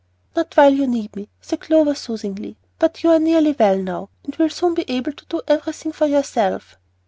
"Not while you need me," said Clover, soothingly. "But you are nearly well now, and will soon be able to do everything for yourself."